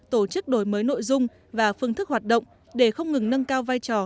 tổ chức đổi mới nội dung và phương thức hoạt động để không ngừng nâng cao vai trò